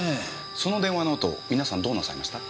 その電話のあと皆さんどうなさいました？